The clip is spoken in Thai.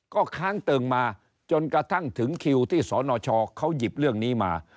ก็ค้างเติ่งมาจนกระทั่งถึงคิวที่สนชเขาหยิบเรื่องนี้มา